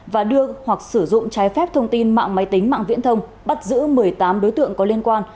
và đưa hoặc sử dụng trái phép thông tin mạng máy tính mạng viễn thông bắt giữ một mươi tám đối tượng có liên quan